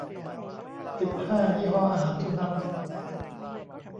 สิบห้า ยี่ห้ออาหารสุนัข